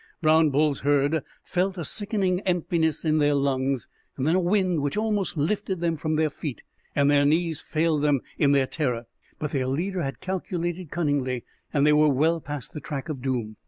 Brown Bull's herd felt a sickening emptiness in their lungs, and then a wind which almost lifted them from their feet; and their knees failed them in their terror. But their leader had calculated cunningly, and they were well past the track of doom.